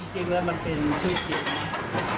จริงแล้วมันเป็นชื่อเกียรติ